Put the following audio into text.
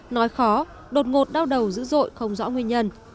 nói khó đột ngột đau đầu dữ dội không rõ nguyên nhân